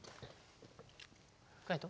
海人？